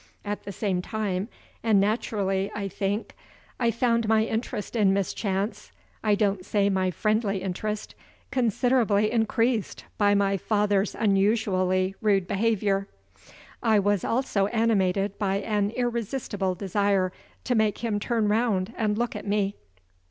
At the same time, and naturally, I think, I found my interest in Miss Chance (I don't say my friendly interest) considerably increased by my father's unusually rude behavior. I was also animated by an irresistible desire to make him turn round and look at me.